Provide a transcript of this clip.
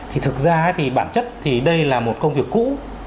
thì thực ra thì bản chất thì đây là một công việc cũ